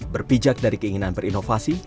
berpijak dari keinginan perinovasi